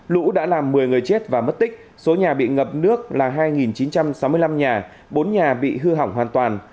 lũ đã làm một mươi người chết và mất tích số nhà bị ngập nước là hai chín trăm sáu mươi năm nhà bốn nhà bị hư hỏng hoàn toàn